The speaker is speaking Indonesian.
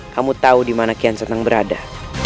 kamu tahu dimana kian seneng berada